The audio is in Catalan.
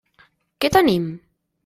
Què tenim?